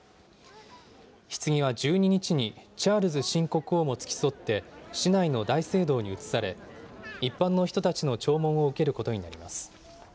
ひつぎは１２日にチャールズ新国王も付き添って、市内の大聖堂に移され、一般の人たちの弔問を受けることになります。